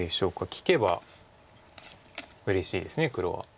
利けばうれしいです黒は。